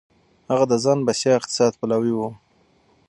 هغه د ځان بسيا اقتصاد پلوی و.